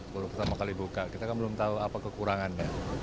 kalau pertama kali buka kita kan belum tahu apa kekurangannya